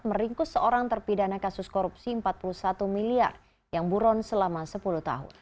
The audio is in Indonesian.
meringkus seorang terpidana kasus korupsi empat puluh satu miliar yang buron selama sepuluh tahun